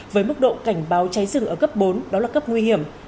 với mức độ cảnh báo cháy rừng ở cấp bốn đó là cấp nguy hiểm